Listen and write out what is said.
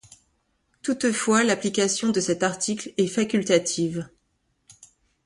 Toutefois, l'application de cet article est facultative.